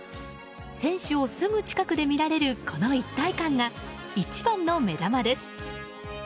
選手をすぐ近くで見られるこの一体感が一番の目玉です。